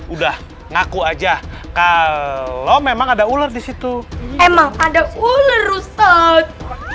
udah ngaku aja kalau memang ada ular di situ emang ada ular rusak